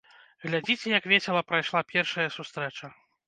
Глядзіце, як весела прайшла першая сустрэча!